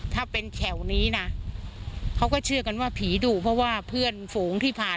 ถ้าเป็นแถวนี้นะเขาก็เชื่อกันว่าผีดู